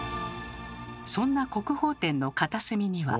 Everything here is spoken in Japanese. そんな国宝展の片隅には。